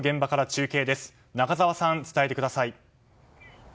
中澤さん、伝えてください。